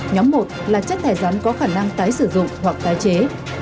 nhóm một là chất thải rắn có khả năng tái sử dụng hoặc tái chế